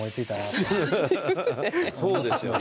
そうですよね。